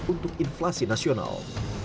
untuk inflasi nasional